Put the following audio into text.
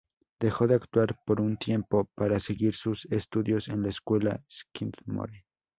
Dejó de actuar por un tiempo, para seguir sus estudios en la escuela Skidmore.